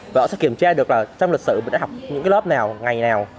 và họ sẽ kiểm tra được là trong lịch sử mình đã học những lớp nào ngày nào